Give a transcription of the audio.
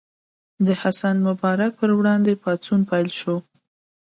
د حسن مبارک پر وړاندې پاڅون پیل شو.